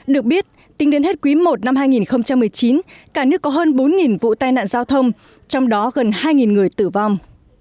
được biết tính đến hết quý i năm hai nghìn một mươi chín cả nước có hơn bốn vụ tai nạn giao thông trong đó gần hai người tử vong